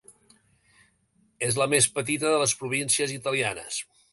És la més petita de les províncies italianes.